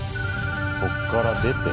そっから出て。